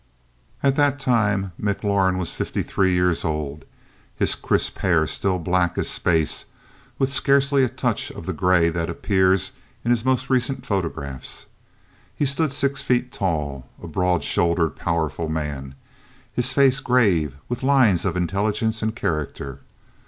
At that time, McLaurin was fifty three years old, his crisp hair still black as space, with scarcely a touch of the gray that appears in his more recent photographs. He stood six feet tall, a broad shouldered, powerful man, his face grave with lines of intelligence and character.